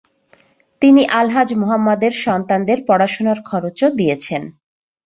তিনি আলহাজ মুহাম্মদের সন্তানদের পড়াশোনার খরচও দিয়েছেন।